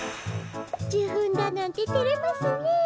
じゅふんだなんててれますねえ。